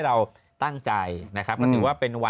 เอ้าจริงหรอ